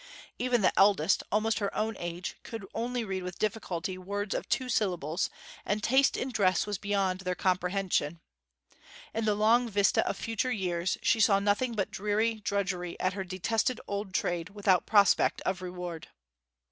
Even the eldest, almost her own age, could only read with difficulty words of two syllables; and taste in dress was beyond their comprehension. In the long vista of future years she saw nothing but dreary drudgery at her detested old trade without prospect of reward.